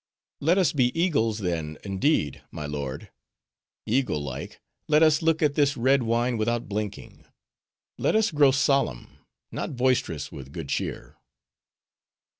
"Let us be eagles, then, indeed, my lord: eagle like, let us look at this red wine without blinking; let us grow solemn, not boisterous, with good cheer."